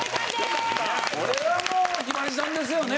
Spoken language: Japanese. いやこれはもうひばりさんですよね。